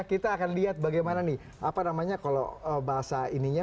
kita akan lihat bagaimana nih apa namanya kalau bahasa ininya